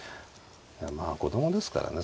まあ子供ですからね